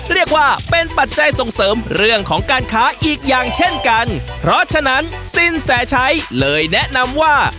เรียกว่าเป็นปัจจัยส่งเสริมเรื่องของการค้าอีกอย่างเช่นกันเพราะฉะนั้นสินแสชัยเลยแนะนำว่า